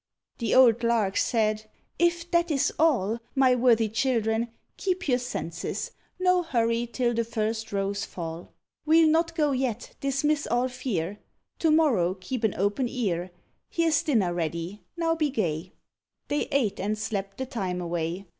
The old Lark said "If that is all, My worthy children, keep your senses; No hurry till the first rows fall. We'll not go yet, dismiss all fear, To morrow keep an open ear; Here's dinner ready, now be gay." They ate and slept the time away.